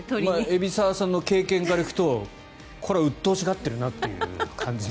海老沢さんの経験から行くとこれはうっとうしがってるなという感じ。